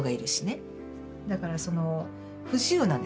だからその不自由なんですよね。